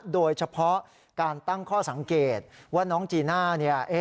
โดยเฉพาะการตั้งข้อสังเกตว่าน้องจีน่าเนี่ย